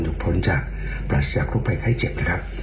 หยุดพ้นจากปรัชญากรุ่งไพรไข้เจ็บนะครับ